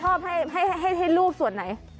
แล้วแมวอ่านชอบให้ลูกส่วนไหน